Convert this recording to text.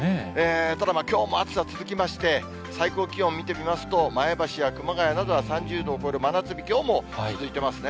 ただまあ、きょうも暑さ続きまして、最高気温見てみますと、前橋や熊谷などは３０度を超える真夏日、きょうも続いてますね。